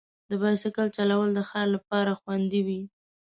د بایسکل چلول د ښار لپاره خوندي وي.